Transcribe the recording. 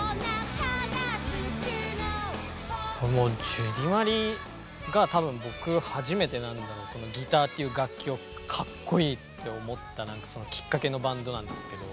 ジュディマリが多分僕初めてギターっていう楽器をかっこいいって思ったきっかけのバンドなんですけど。